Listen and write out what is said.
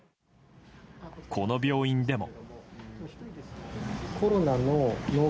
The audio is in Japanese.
この病院でも。